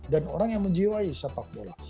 dan orang yang menjiwai sepak bola